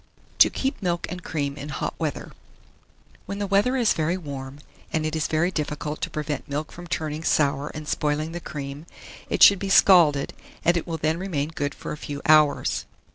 TO KEEP MILK AND CREAM IN HOT WEATHER. 1628. When the weather is very warm, and it is very difficult to prevent milk from turning sour and spoiling the cream, it should be scalded, and it will then remain good for a few hours.